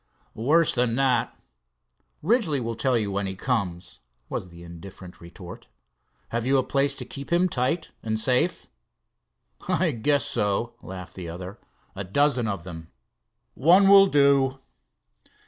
"Worse than that. Ridgely will tell you when he comes," was the indifferent retort. "Have you a place to keep him tight and safe?" "I guess so," laughed the other, "a dozen of them." "One will do."